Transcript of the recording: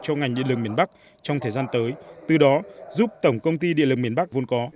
cho ngành điện lực miền bắc trong thời gian tới từ đó giúp tổng công ty điện lực miền bắc vốn có